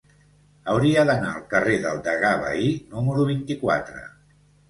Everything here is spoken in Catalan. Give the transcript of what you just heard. Hauria d'anar al carrer del Degà Bahí número vint-i-quatre.